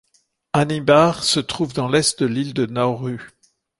Anibare se trouve dans l'Est de l'île de Nauru.